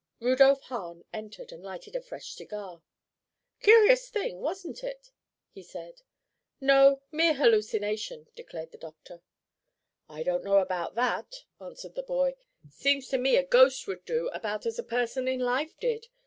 Rudolph Hahn entered and lighted a fresh cigar. "Curious thing, wasn't it?" he said. "No; mere hallucination," declared the doctor. "I don't know about that," answered the boy. "Seems to me a ghost would do about as a person in life did.